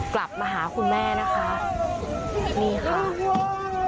กลับมาหาคุณแม่นะคะนี่ค่ะ